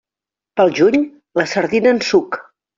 Pel juny, la sardina en suc.